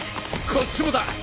こっちもだ。